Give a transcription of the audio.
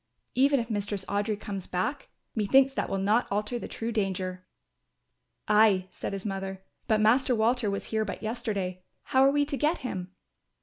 Even if Mistress Audry comes back, methinks that will not alter the true danger." "Ay," said his mother, "but Master Walter was here but yesterday, how are we to get him?"